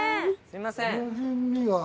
すみません。